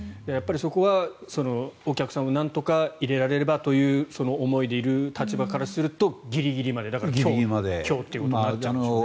そこはお客さんをなんとか入れられればというその思いでいる立場からするとギリギリまで今日ということになるんでしょうね。